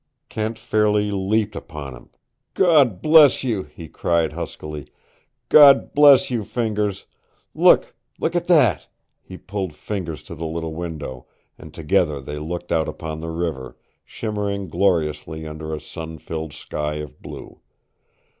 Kent fairly leaped upon him. "God bless you!" he cried huskily. "God bless you, Fingers! Look! Look at that!" He pulled Fingers to the little window, and together they looked out upon the river, shimmering gloriously under a sun filled sky of blue.